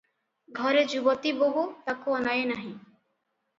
ଘରେ ଯୁବତୀ ବୋହୂ, ତାକୁ ଅନାଏ ନାହିଁ ।